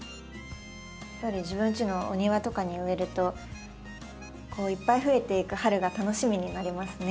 やっぱり自分ちのお庭とかに植えるといっぱい増えていく春が楽しみになりますね。